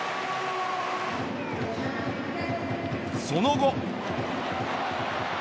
その後。